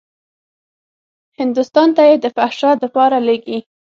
هندوستان ته يې د فحشا دپاره لېږي.